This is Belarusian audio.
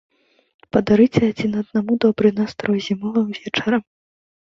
Падарыце адзін аднаму добры настрой зімовым вечарам!